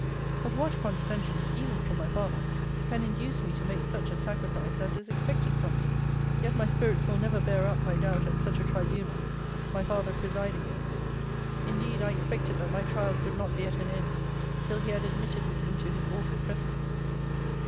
But what condescensions, even from my father, can induce me to make such a sacrifice as is expected from me? Yet my spirits will never bear up, I doubt, at such a tribunal my father presiding in it. Indeed I expected that my trials would not be at an end till he had admitted me into his awful presence.